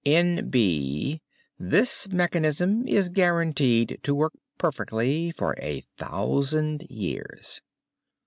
N. B. This Mechanism is guaranteed to work perfectly for a thousand years.